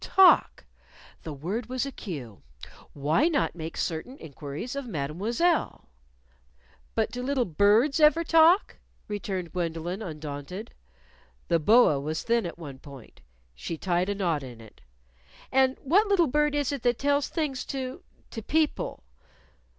Talk the word was a cue! Why not make certain inquiries of Mademoiselle? "But do little birds ever talk?" returned Gwendolyn, undaunted. The boa was thin at one point. She tied a knot in it. "And which little bird is it that tells things to to people?"